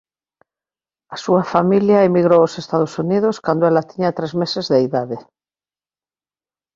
A súa familia emigrou aos Estados Unidos cando ela tiña tres meses de idade.